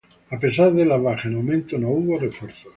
A pesar de las bajas en aumento, no hubo refuerzos.